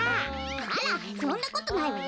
あらそんなことないわよ。